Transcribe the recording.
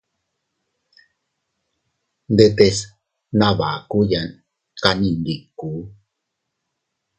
Ndetes nabakuyan kanni ndiku.